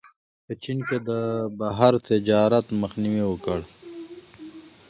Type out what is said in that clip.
په چین کې یې د بهر تجارت مخنیوی وکړ.